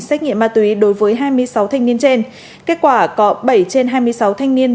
xét nghiệm ma túy đối với hai mươi sáu thanh niên trên kết quả có bảy trên hai mươi sáu thanh niên